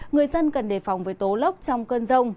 người dân cần đề phòng với tố lốc trong cơn rông